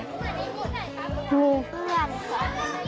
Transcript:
ดี